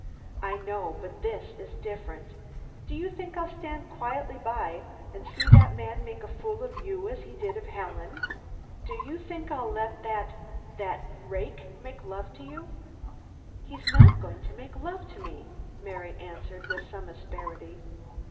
"I know but this is different. Do you think I'll stand quietly by and see that man make a fool of you as he did of Helen? Do you think I'll let that that rake make love to you?" "He's not going to make love to me!" Mary answered with some asperity.